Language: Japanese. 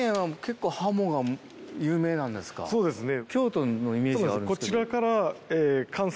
そうですね。